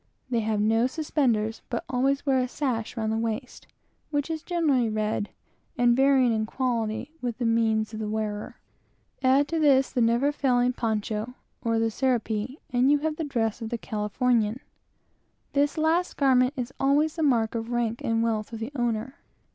They have no suspenders, but always wear a sash round the waist, which is generally red, and varying in quality with the means of the wearer. Add to this the never failing cloak, and you have the dress of the Californian. This last garment, the cloak, is always a mark of the rank and wealth of the owner.